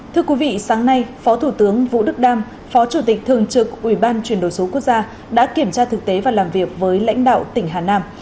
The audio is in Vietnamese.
thưa quý vị sáng nay phó thủ tướng vũ đức đam phó chủ tịch thường trực ubndqc đã kiểm tra thực tế và làm việc với lãnh đạo tỉnh hà nam